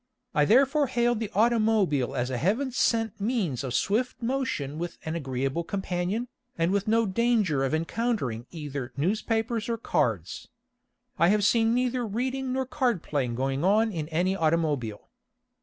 I therefore hailed the automobile as a Heaven sent means of swift motion with an agreeable companion, and with no danger of encountering either newspapers or cards. I have seen neither reading nor card playing going on in any automobile.